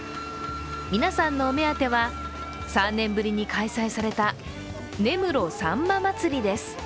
皆さんのお目当ては３年ぶりに開催された、根室さんま祭りです。